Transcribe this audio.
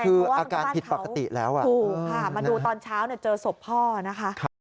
เพราะว่าท่านเขาคืออาการผิดปกติแล้วอ่ะคุณค่ะมาดูตอนเช้าเจอศพพ่อนะคะ